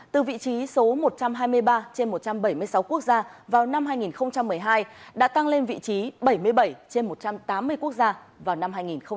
từ vị trí số một trăm hai mươi ba trên một trăm bảy mươi sáu quốc gia vào năm hai nghìn một mươi hai đã tăng lên vị trí bảy mươi bảy trên một trăm tám mươi quốc gia vào năm hai nghìn một mươi sáu